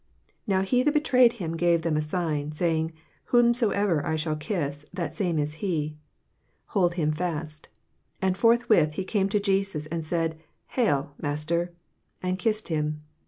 _—Now he that betrayed him gave them a sign, saying Whomsoever I shall kiss, that same is he; hold him fast, and forthwith he came to Jesus, and said, Hail, Master; and kissed him.